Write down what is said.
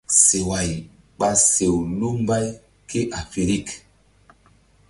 Seway ɓa sew ɓa sew lu mbay kéafirik.